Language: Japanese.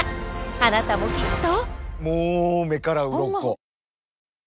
あなたもきっと。